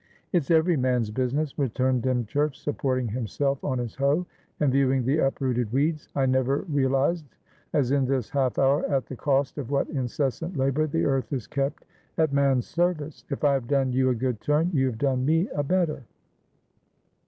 "It's every man's business," returned Dymchurch, supporting himself on his hoe, and viewing the uprooted weeds. "I never realised as in this half hour at the cost of what incessant labour the earth is kept at man's service. If I have done you a good turn, you have done me a better."